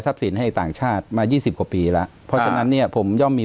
ทรัพย์สินให้ต่างชาติมา๒๐กว่าปีแล้วเพราะฉะนั้นเนี่ยผมยอมมี